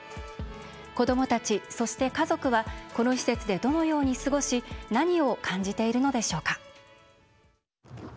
子どもたち、そして家族はこの施設でどのように過ごし何を感じているのでしょうか。